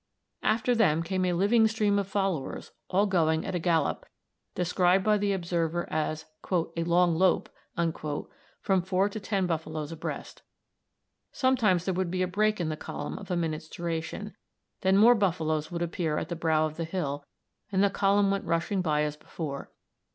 After them came a living stream of followers, all going at a gallop, described by the observer as "a long lope," from four to ten buffaloes abreast. Sometimes there would be a break in the column of a minute's duration, then more buffaloes would appear at the brow of the hill, and the column went rushing by as before.